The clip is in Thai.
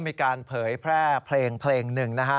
มีการเผยแพร่เพลงเพลงหนึ่งนะฮะ